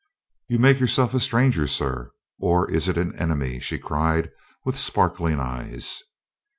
"You make yourself a stranger, sir. Or is it an enemy?" she cried, with sparkling eyes.